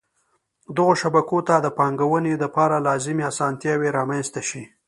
دغو شبکو ته د پانګوني دپاره لازمی اسانتیاوي رامنځته شي.